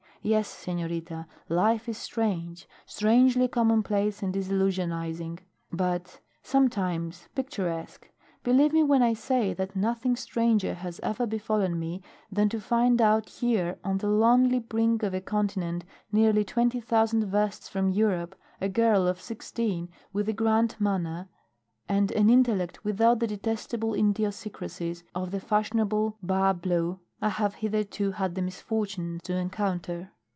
Yes, senorita, life is strange strangely commonplace and disillusionizing but sometimes picturesque. Believe me when I say that nothing stranger has ever befallen me than to find out here on the lonely brink of a continent nearly twenty thousand versts from Europe, a girl of sixteen with the grand manner, and an intellect without the detestable idiosyncrasies of the fashionable bas bleus I have hitherto had the misfortune to encounter."